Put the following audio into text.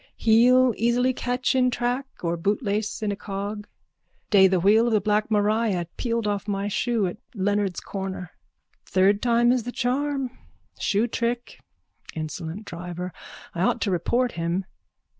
Heel easily catch in track or bootlace in a cog. Day the wheel of the black Maria peeled off my shoe at Leonard's corner. Third time is the charm. Shoe trick. Insolent driver. I ought to report him.